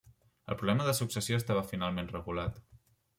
El problema de successió estava finalment regulat.